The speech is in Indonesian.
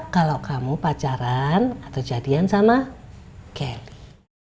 kalau kamu pacaran atau jadian sama kelly